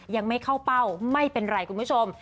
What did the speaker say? ยังไม่เข้าเป้าไม่เป็นไรคุณผู้ชม